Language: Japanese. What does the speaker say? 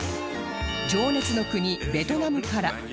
情熱の国ベトナムから